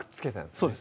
そうです